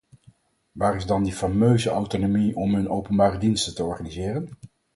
Waar is dan die fameuze autonomie om hun openbare diensten te organiseren?